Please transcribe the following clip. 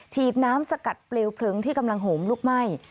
ฉีดน้ำสกัดเปลวเพลิงที่กำลังโหมลุกไหม้